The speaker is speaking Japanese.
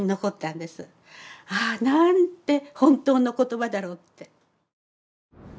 ああなんて本当の言葉だろうって。